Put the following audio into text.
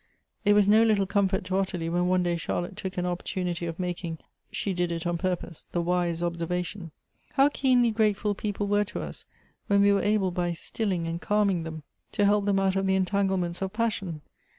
It was no little comfort to Ottilie when one day Char lotte took an opportunity of making (she did it on pur pose) the wise observation, " How keenly grateful people'H were to us when we were able by stilling and calming'H them to help them out of the entanglements of passion